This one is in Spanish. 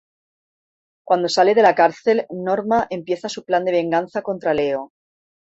Cuando sale de la cárcel, Norma empieza su plan de venganza contra Leo.